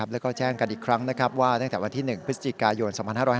แล้วก็แจ้งกันอีกครั้งว่าตั้งแต่วันที่๑พฤศจิกายน๒๕๕๙